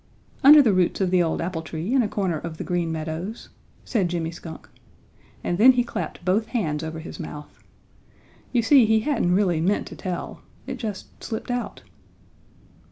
"Under the roots of the old apple tree in a corner of the Green Meadows," said Jimmy Skunk, and then he clapped both hands over his mouth. You see he hadn't really meant to tell. It just slipped out.